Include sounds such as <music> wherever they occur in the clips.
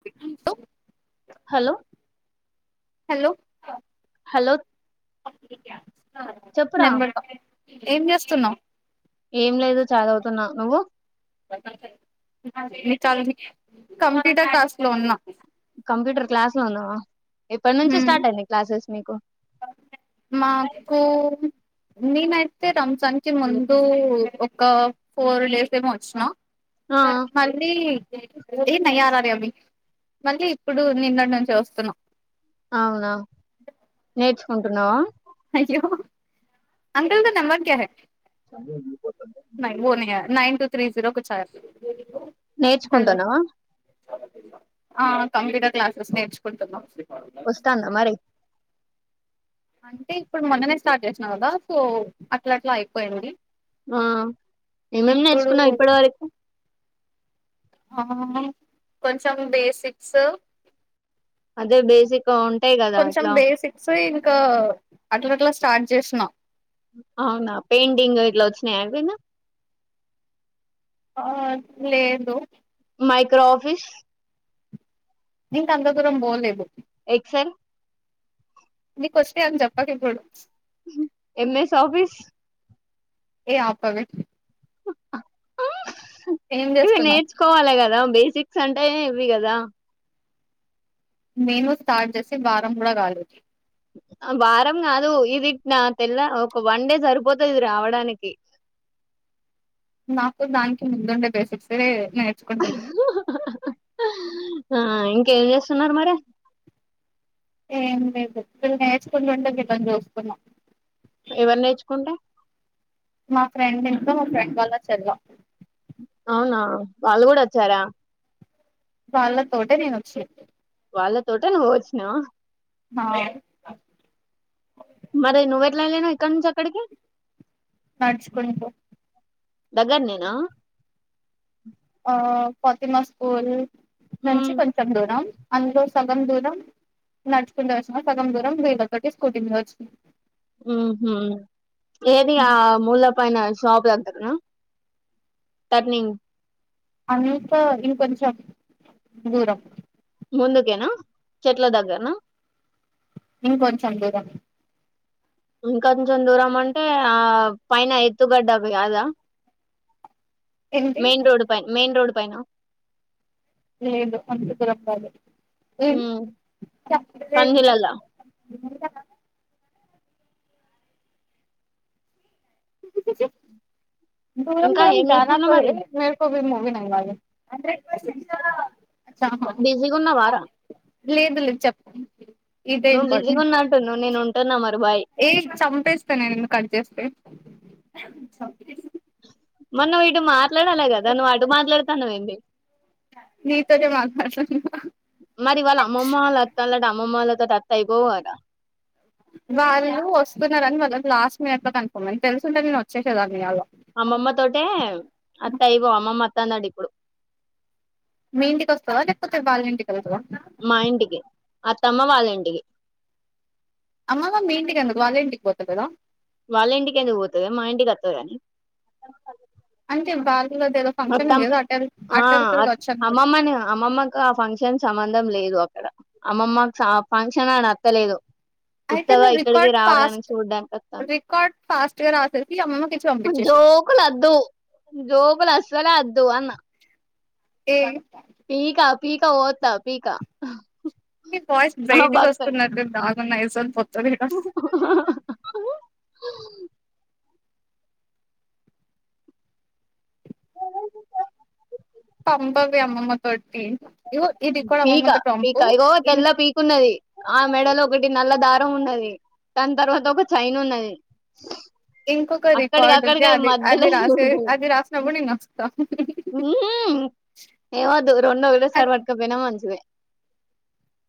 స hello hello hello చెప్పురా నెంబ ఏం చేస్తున్నావ్ ఏం లేదు చదవుతున్నా నువ్వు నీ <unintelligible> కంప్యూటర్ క్లాస్ లో ఉన్న కంప్యూటర్ క్లాస్ లో ఉన్నావా ఎప్పటి నుంచి స్టార్ట్ అయింది క్లాసెస్ మీకు మాకు నేనైతే రంజాన్ కి ముందు ఒక్క ఫోర్ లేస్ ఏమో వచ్చిన ఆ మళ్ళీ మళ్ళీ ఇప్పుడు నిన్నటి నుంచి వస్తున్నాం అవునా నేర్చుకుంటున్నావా అయ్యో అంకల్ క నంబర్ క్యా హై సండే ఉండిపోతుంది నహీ వో నహీ ఆయా. నైన్ టూ త్రీ జీరో కుచ్ ఆయా హలో నేర్చుకుంటాన్నవా ఆ కంప్యూటర్ క్లాసెస్ నేర్చుకుంటున్నా వస్తాందా మరి అంటే ఇప్పుడు మొన్ననే స్టార్ట్ చేసినాం కదా సో అట్లా అట్లా అయిపోయింది ఆ ఏమేం ఇప్పుడు నేర్చుకున్నాం ఇప్పటి వరకు ఆ కొంచెం బేసిక్స్ అదే బేసిక్ ఉంటాయి కదా కొంచెం ఇట్లా బేసిక్స్ ఇంకా అట్ల అట్ల స్టార్ట్ చేసిన అవునా పేండింగ్ ఇట్లా వచ్చినాయ ఎప్పుడన్నా ఆ లేదు మైక్రో ఆఫిస్ నింకా అంత దూరం పోలేదు ఎక్సర్ నీకూ వస్తాయ్ అని చెప్పకు ఇప్పుడు ఎంఎస్ ఆఫిస్ ఏ ఆపవే ఆ ఏం ఇది చేస్తున్నావ్ నేర్చుకోవాలే కదా బేసిక్స్ అంటే ఇవి కదా నేను స్టార్ట్ జేసి వారం గూడా కాలేదు వారం కాదు ఇది నా తెల్ల ఒక వన్ డే సరిపోతది ఇది రావడానికి నాకు దానికి ముందుండే బేసిక్సె నేర్చుకుంటున్న ఆ ఇంకేం చేస్తున్నారు మరి ఏం లేదు వీళ్ళు నేర్చుకుంటు ఉంటే వీళ్ళని చూస్తుకున్నా ఎవరు నేర్చుకుంటే మా ఫ్రెండ్ ఇంట్లో మా ఫ్రెండ్ వల్ల చెల్లా అవునా వాళ్ళు కూడా వచ్చారా వాళ్ళ తోటే నేను వచ్చిన వాళ్ళ తోటే నువ్వు వచ్చినావా హా లేగానా ఇక్క నుంచి అక్కడికి నడుచుకుంటూ దగర్ నేనా ఆ ప్రతిమా స్కూల్ నుంచి హ్మ్. కొంచెం దూరం అందులో సగం దూరం నడుచుకుంటే వచ్చిన సగం దూరం వీళ్లతోటి స్కూటీ మీద వచ్చిన ఉహు ఏది ఆ ముల్ల పైన షాప్ దగ్గరనా టర్నింగ్ అనేకా ఇంకొంచెం దూరం ముందుకేనా చెట్ల దగ్గరనా ఇం కొంచెం దూరం ఇంకా కొంచెం దూరం అంటే ఆ పైన ఎత్తుగడ్డ అదా ఏంటి మెయిన్ రోడ్ పై మెయిన్ రోడ్ పైనా లేదు అంత దూరం కాదు ఎం హ్మ్. పందిలల్లా. <inaudible> దూరం ఇంకా దూరమ్ ఏం జానా చేస్తున్నావ్ మరి పడేగా మెర్కుము <unintelligible> బిజీగా ఉన్నావారా లేదు లేదు చెప్ నువ్వు బిజీగా ఉన్నట్టున్నావ్ నేను ఉంటున్నా మరి బాయ్ ఏ చంపేస్తే నేను కట్ చేస్తే చంపే స్ మొన్న వీడు మాత్ మాట్లాడాలి కదా నువ్వు అటు మాట్లాడుతాన్నావెంది నీతోనే మాట్లాడుతున్నా మరి వాళ్ళ అమ్మమ్మ వాళ్ళ అత్తాండ్లట అమ్మమ్మ వాళ్ళతోటి అత్తే అయిపోవు గాద రా వాళ్ళు వస్తున్నారని వాళ్ళ క్లాస్ మేట్ ఎ కనుకోమని తెలుసుంటే నేను వచ్చేసేదాన్నే కాదు అమ్మమ్మ తోటే అత్తే అయిపోవ్ అమ్మమ్మ అత్తంది అట ఇప్పుడు మీ ఇంటి కి వస్తావా లేకపోతే వాళ్ళ ఇంటి కి మా ఇంటికి అత్తమ్మ వాళ్ళింటికి అమ్మమ్మ మీ ఇంటికి ఎందుకు వాళ్ల ఇంటికి పోతలేదా వాళ్ళ ఇంటికి ఎందుకు పోతది మా ఇంటికి వత్తది గాని <unintelligible> బాల వస్తాం ఆ కావచ్చు అనుకున్న అమ్మమ్మని అమ్మమ్మకు ఆ ఫంక్షన్ సంబంధం లేదు క్క అమ్మమ్మకు ఫంక్షన్ అని వత్తలేదు అయితే నువ్వు రికార్డ్ ఫాస్ట్ చూడ్డానికి వస్తాను రికార్డ్ ఫాస్ట్ గా రాసేసి అమ్మమ్మకి ఇచ్చి పంపించేసేయ్ జోకులు అద్దు జోకులు అస సల వద్దు అన్న ఏ పీక పీక కోత్తా పీక మీ వాయిస్ ఆ బ్రైట్ గా బక్క వస్తున్నట్టుంది ఆగు నైస్ <inaudible> <inaudible> <inaudible> పంపవే అమ్మమ్మ తోటి ఇగో ఈ రికార్డ్ పీక అమ్మమ్మతో పీక పంపు ఇగో ఇం తెల్ల పీకున్నది ఆ మెడలో ఒకటి నల్ల దారం ఉన్నది దాని తర్వాత ఒక చైన్ ఉన్నది ఇంకొక అక్కడికి రికార్డ్ ఉంది అక్కడికి అది మధ్యలో అది రాసే తిరుగుతుంది. అది రాసినప్పుడు నేను వస్తా ఉహ్ ఎమద్దు రెండు ఒకటే అది సారే పట్టుకపోయినమా నిజమే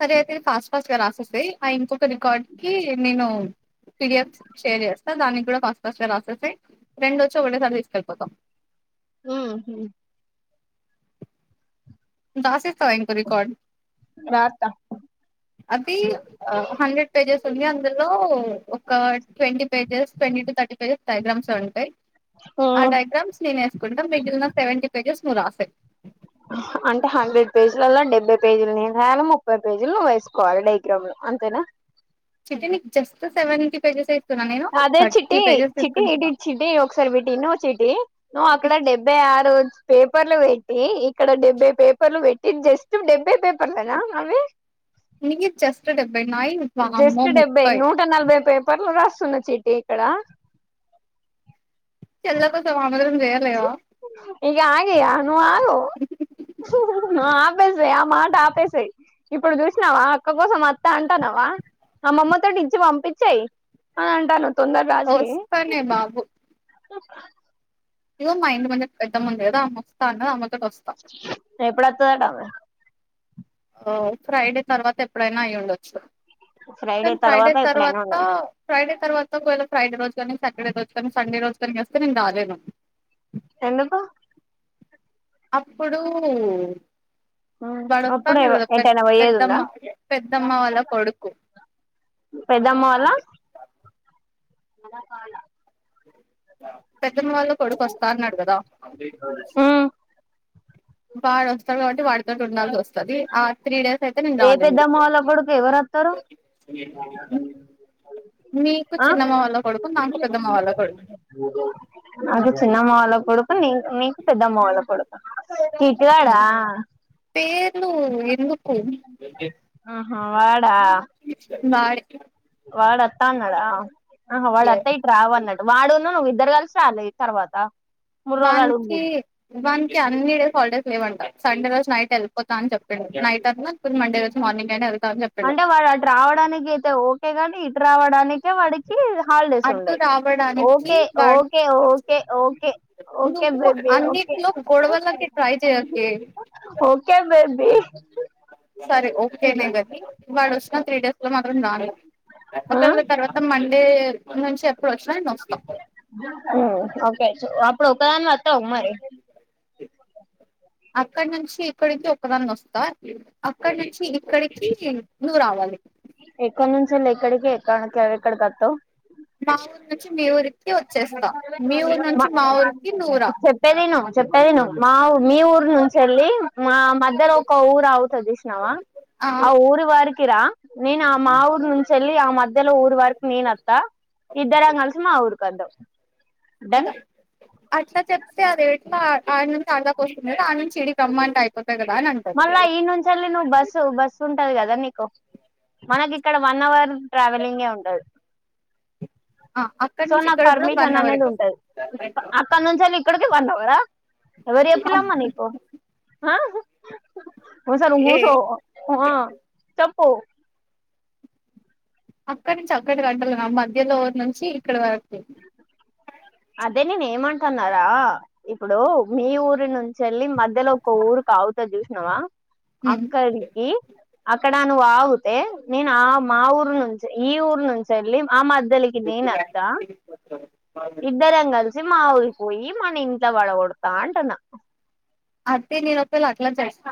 సరే అయితే ఫాస్ట్ ఫాస్ట్ గా రాసేసేయి ఆ ఇంకొక రికార్డ్ కి నేను పిడిఎఫ్ షేర్ చేస్తా దానికి కూడా ఫాస్ట్ ఫాస్ట్ గా రాసేసేయి రెండు వచ్చి ఒకటేసారి తీసుకెళ్ళిపోతా ఆ హ దాసి ఫైన్ ఇంకో రికార్డ్ రాత్త అది హండ్రెడ్ పేజెస్ ఉంది అందులో ఒక twenty pages twenty to thirty pages diagrams ఏ ఉంటాయి ఆ డయాగ్రామ్స్ నేను వేసుకుంటా మిగిలిన సెవెంటీ పేజెస్ నువు రాసేయ్ అంటే హండ్రెడ్ పేజీలలా డెబ్బై పేజీలు నేను రాయాల ముప్పై పేజీలు నువేసుకోవాలి డైగ్రామ్లు అంతేనా చిట్టి నీకు జస్ట్ సెవెన్టీ పేజెస్ ఇ అదే చిట్టి చిటీటి ఇ చిటీ ఒకసారి ఇటు ఇను చిటీ నువ్వు అక్కడ డెబ్బై ఆరు పే పేపర్లు పెట్టి ఇక్కడ డెబ్బై పేపర్లు పెట్టి జస్ట్ డెబ్బై పేపర్లే నా అవి నికి జస్ట్ డెబ్బై నాయి వామ్మో జస్ట్ ముప్పై <unintelligible> సన్న చిట్టీ ఇక్కడ చెల్లాయి కోసం ఆమోదం చేయలేవా ఇగ ఆగు ఇగ నువ్ ఆగు నువ్ ఆగ్ ఆపేసయి ఆ మాట ఆపేసయి ఇప్పుడు చూసినావా అక్క కోసం వత్తా అంటానవా అమమ్మతోటి ఇచ్చి పంపించెయి అని అంటానవ్ వస్తానే బాబు <inaudible> ఇగో మా ఇంటి ముందు పెద్దమ్మ ఉంది కదా ఆమె వస్త అన్నది ఆమె తోటి ఒస్తా స్తదట ఆమె ఆ ఫ్రైడే తర్వాత ఎప్పుడైనా అయ్యుండొచ్చు కాన్ ఫ్రైడే తర్వాత ఎప్పుడైనా తర్వాత ఉండవచ్చు ఫ్రైడే తర్వాత ఒకవేళ ఫ్రైడే రోజు ని సాటర్డే కొస్తాం సండే రోజకనికిఒస్తే నేను రాలేను ఎందుకు అప్పుడు ఆ వాడు వస్తా అప్పుడు ఎవ అన్నాడు కదా పె ఏటైనా పోయ్యేది ఉందా పెద్దమ్మ పెద్దమ్మ వాళ్ళ కొడుకు పెద్దమ్మ వాళ్ల అలా కాల యా పెద్దమ్మ వాళ్ళ కొడుకు వస్తా అన్నాడు కదా వాడు వస్తడు కాబట్టి వాడితో ఉండాల్సి వస్తది ఆ త్రీ డేస్ అయితే నేను ఏ రాలేను పెద్దమ్మ వాళ్ళ కొడుకు ఎవరొత్తరు మీకు ఆ చిన్నమ్మ వాళ్ల కొడుకు నాకు పెద్దమ్మ వాళ్ళ కొడుకు నాకు చిన్నమ్మ వాళ్ళ కొడుక్ నీ నీకు పెద్దమ్మ వాళ్ళ కొడుకు ఆ ఉమ్ పేర్లు ఎందుకు ఆహా వాడా వాడే వాడత్తన్నాడా ఆహా వాడొత్తే ఎస్ ఇటు రావ అన్నట్టు వాడును ఇద్దరు కలిసి రాల్లి తర్వాత మూడు రోజులు వానికి అడుండి వాన్ కి అన్ని డేస్ హల్ డేస్ లేవ్వంట సండే రోజ నైట్ ఎల్పోత్ త అని చెప్పిండు డి నైట్ అన్న త్ మండే రోజు మార్నింగ్ అయినా ఎల్ అంటే వాడు అటు రావడానికి అయితే ఓ కే గాని ఇటు రావడానికే వాడికి హాలిడేస్ ఉండ అటు యి రావడానికి ఒకే వాడు ఒకే ఒకే ఒకే ఒకే నువ్వు బేబీ ఒకే అన్నిట్లో గొడవలకి ట్రై చేయకే ఒకే బేబీ ఈ సర ఓకే న ఇవకి వాడొస్నా త్రీ డేస్ లో మాత్రం రాన్, ఒకేళ్ తర్వాత మ టే నేన్ చెప్ హు ఒకే వ ఒకదాన్వే మరి అక్కడ్నుంచి ఇక్కడికి ఒకదాన్నొస్తా, అక్కడ్ నుంచి ఇక్కడికి నువ్వు రావాలి. ఎక్కనుంచి లెక్కడకి ఎక్క కెకడి ఎత్తవ్ మా ఊరు నుంచి, మీ ఊరి ఊరికి నువ్వురా చెప్పేదిను చెప్పేదిను మావ్, మీ ఊరు నుంచి ఎళ్ళి మా మధ్యలో ఒక ఊరు ఆవుతది చూస్నవా, ఆ ఊరు వరికి రా నేనా మా ఊరు నుంచి ఎళ్ళి, ఆ మధ్యలో ఊరు వరకు నేనత్తా ఇద్దరం కలిసి మా ఊర్ కద్దం ఇక అట్లా చెప్తే అది ఆ ఆనుంచ్ ఆదాక వస్ మే, ఆడ్నుంచి ఇడికి రమ్మంట అయ్ మళ్లా ఇనుంచెళ్ళి నువ్ బస్సు బస్సు ఉ టది కద నీకు మనకి ఇక్కడ వన్ అవర్ ట్ర్రావెలింగే ఉంటది. ఆ అక్కడ సో నుంచి నాక్ ఇక్కడికి కూడా వన్ పర్మిషన్ అవరే అనేది ఉంటది. అక్కన్నుంచి ఎళ్ళి ఇక్కడికి వన్ కదా ఎవరు చెప్పిల్లమ్మా నీకు ఆ ఒ సార్ ఏ ముసో, ఆ చెప్ ఓ అక్కనుంచి అక్కడి గంటాల మధ్యలో నుంచి ఇక్కడ వర్ అదే నేనే ఏమంటనారా, ఇప్పుడు మీ ఊరి నుంచి ఎళ్ళి మధ్యలో ఒక్క ఊరుకు ఆవుతది. చూస్నావ అక్కడికి అ అక్కడ నువ్వు ఆవుతే, నేనా మా ఊరు నుంచి, ఈ ఊరు నుంచి ఎళ్ళి ఆ మద్ ద్దలికి నేనత్త ఇద్దరం కలిసి మా ఊరి పోయి మని ట్ల వడగొడతా అంటన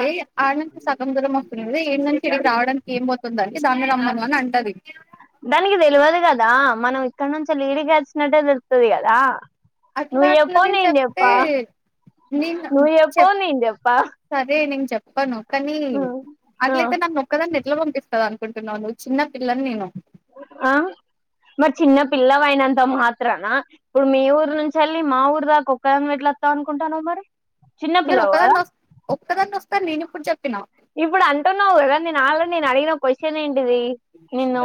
ఏయ్ ఆనంక సగందూరం దే ఏంనన్ ఇ రావడానికి ఏం పొ తుదండి సామి రమ్మను అని అంటది. దానికి తెలవదు కదా మనం ఇక్కడ నుంచి <unintelligible> కదా అట్లా నువ్వు అట్లా చెప్పు నేను చెప్తే చెప్పా నేను నువ్వు చెప్పు చెప్ నేను చెప్పా సరే నేను చెప్ పను కానీ ఆ అట్లయితే నన్ను ఓక్కదానినే ఎట్లా పంపిస్త అనుకుంటున్నాను ఆ మరి చిన్న పిల్ల అయినంత మాత్రాన ఇప్పుడు మీ ఊరు నుంచి వెళ్ళి మా ఊరు దాకా ఒక్క ఎట్లా వస్తాం అనుకుంటాన్నా మరి చిన్న నేను పిల్లవు కదా ఒకదానే వస్త ఒక్కదా వస్తాను నేను ఇప్పుడు జ నా ఇప్పుడు అంటున్నావు కదా నే <unintelligible> నేను అడిగిన క్వశ్చన్ ఏంటి నిను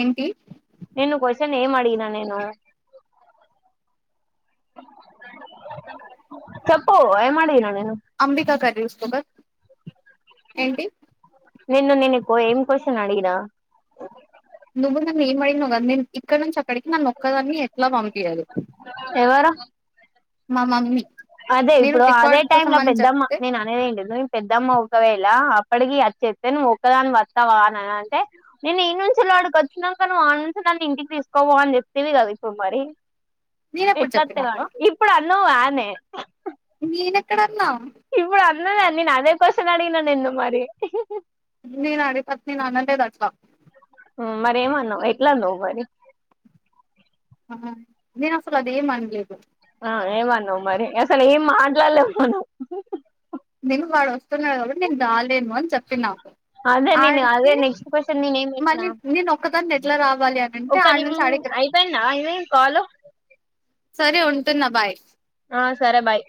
ఏంటి నిను క్యూసెక్కుల ఏం అడిగినా నేను చెప్పు ఎం అడిగినా నేను అంబికా అక్క <unintelligible> ఏంటి నిన్ను నేను ఏం క్వశన్ అడినా నిన్న నువ్వు <unintelligible> ఇక్కడ నుంచి ఇక్కడికి నన్ను ఒక్కదాన్ని ఎట్లా పంపియాలి ఎవరు మా మమ్మీ అదే నేను ఇప్పుడు అదే రికార్డ్ టైమ్ కోసం లో అని పెద్దమ్మ చెప్తే నేను అనేది ఏం <unintelligible> పెద్దమ్మ ఒకవేళ అప్పటికి అచ్చేస్తే నువ్వు ఒక్కదాన్ని వస్తావా అని అంటే నేను ఈ నుంచి అడికి వచ్చినాక నువ్ ఆడ నుంచి నన్ను ఇంటికి తీసుకోవా అని చెప్తది కదా ఇప్పుడు మరి నేను ఎప్పుడు ఎట్ల చెప్పిన వాతావ్ అడ్డకి ఇప్పుడు అన్నావ్ గానే నేనెక్కడ న్నా ఇప్పుడు నేను అదే <unintelligible> అడిగినాను ఎంత మరి <unintelligible> నాన్ అనలేదు అట్లా మరి ఏమన్నావు ఎట్లా అన్నావ్ మరి నేను అసలు అదేం అనలేదు ఆ ఏమ అన్నవ మరి అసను ఏం మాట్లాడలేము మనం నేను వాడు వస్తున్నా కబ్బటి నీను దాలేను అని చెప్పినావు అదే నేను అదే నెక్స్ట్ క్వ్చన్ నేనే ఏం చేసిన మళ్ళీ నేను ఒక్కదాన్ని ఎట్లా రావాలి అని అంటే ఒకే ఆడ నుంచి ఆడికి రా అయిపోయినా ఇ కాల్ సరే ఉంటున్నా బాయ్ ఆ సరే బాయ్